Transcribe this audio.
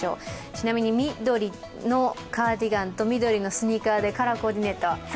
ちなみに緑のカーディガンと緑のスニーカーでカラーコーディネート。